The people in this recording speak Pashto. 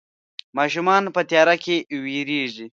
ماشومان په تياره کې ويرېږي.